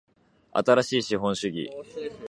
新しい資本主義